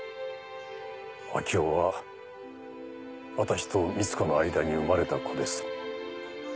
明生は私と光子の間に生まれた子です。